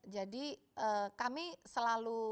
jadi kami selalu